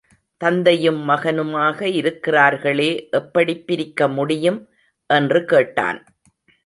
தந்தையும் மகனுமாக இருக்கிறார்களே எப்படிப் பிரிக்க முடியும் என்று கேட்டான்.